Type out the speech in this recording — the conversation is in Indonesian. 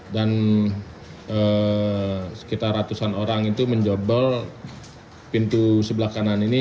dan sekitar ratusan orang itu menjobel pintu sebelah kanan ini